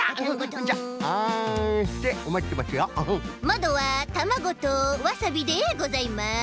まどはたまごとわさびでございます。